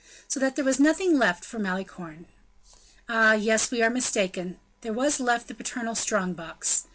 So that there was nothing left for Malicorne. Ah! yes, we are mistaken; there was left the paternal strong box.